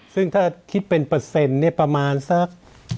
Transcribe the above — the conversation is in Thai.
ซึ่งถ้าคิดเป็นเปอร์เซ็นต์เนี่ยประมาณสัก